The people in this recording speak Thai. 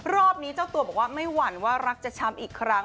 รอบนี้เจ้าตัวบอกว่าไม่หวั่นว่ารักจะช้ำอีกครั้ง